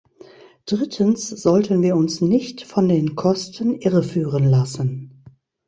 Drittens sollten wir uns nicht von den Kosten irreführen lassen.